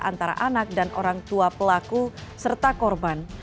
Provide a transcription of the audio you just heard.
antara anak dan orang tua pelaku serta korban